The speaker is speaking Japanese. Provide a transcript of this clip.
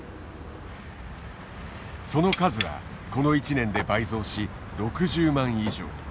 その数はこの一年で倍増し６０万以上。